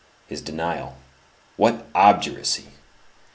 His denial. What obduracy!